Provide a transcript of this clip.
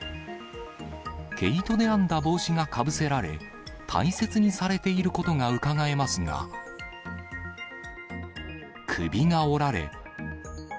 毛糸で編んだ帽子がかぶせられ、大切にされていることがうかがえますが、首が折られ。